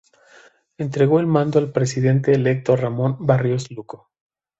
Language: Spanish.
Entregó el mando al presidente electo Ramón Barros Luco.